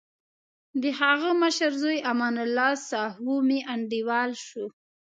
دهغه مشر زوی امان الله ساهو مې انډیوال شو.